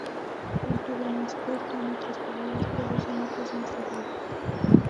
Un tubo más corto, en otras palabras, produce notas más agudas.